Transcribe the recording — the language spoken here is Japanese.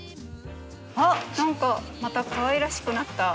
あっ何かまたかわいらしくなった。